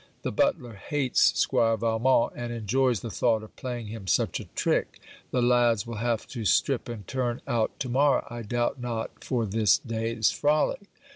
'The butler hates squire Valmont, and enjoys the thought of playing him such a trick. The lads will have to strip and turn out to morrow, I doubt not, for this day's frolic.'